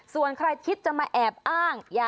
ส่วนใครคิดจะมาแอบอ้าง